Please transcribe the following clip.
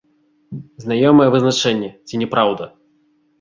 Знаёмае вызначэнне, ці не праўда?